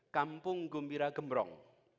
kampung gumbira gembrong